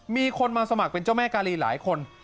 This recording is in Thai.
มีคนมาสมัครเป็นเจ้าแม่กาลีหลายคน